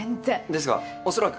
ですが、恐らく。